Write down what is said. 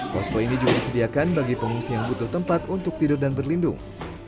posko ini juga disediakan bagi pengungsi yang butuh tempat untuk tidur dan berlindung